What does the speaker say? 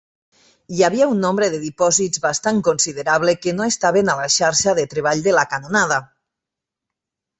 Hi havia un nombre de dipòsits bastant considerable que no estaven a la xarxa de treball de la canonada.